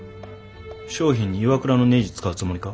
商品にＩＷＡＫＵＲＡのねじ使うつもりか？